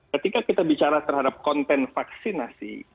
ketika kita bicara terhadap konten vaksinasi